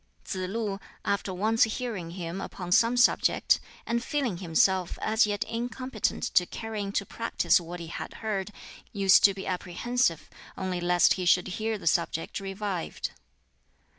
Tsz lu, after once hearing him upon some subject, and feeling himself as yet incompetent to carry into practice what he had heard, used to be apprehensive only lest he should hear the subject revived.